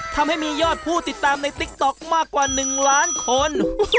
ทำให้มียอดผู้ติดตามในติ๊กต๊อกมากกว่า๑ล้านคน